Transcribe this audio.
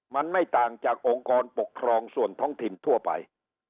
มันไม่ต่างจากองค์กรปกครองส่วนท้องถิ่นทั่วไป